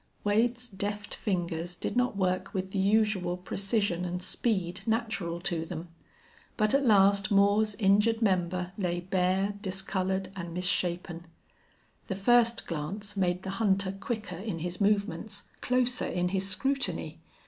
Wade's deft fingers did not work with the usual precision and speed natural to them. But at last Moore's injured member lay bare, discolored and misshapen. The first glance made the hunter quicker in his movements, closer in his scrutiny.